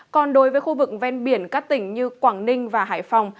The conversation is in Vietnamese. còn đối với khu vực ven biển các tỉnh như quảng ninh và hải phòng